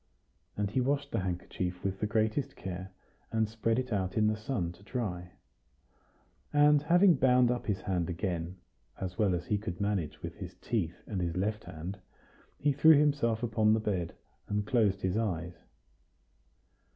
And he washed the handkerchief with the greatest care, and spread it out in the sun to dry. And having bound up his hand again, as well as he could manage with his teeth and his left hand, he threw himself upon his bed, and closed his eyes.